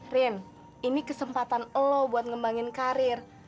rin ini kesempatan lo buat ngembangin karir